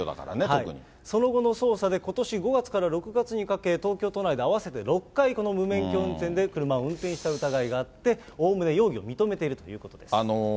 その後の捜査で、ことし５月から６月にかけ、東京都内で合わせて６回、この無免許運転で車を運転した疑いがあって、おおむね容疑を認めているということです。